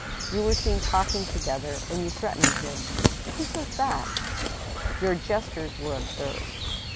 " You were seen talking together, and you threatened him ?" "Who says that?" " Your gestures were observed."